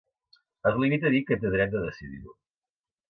Es limita a dir que té dret de decidir-ho.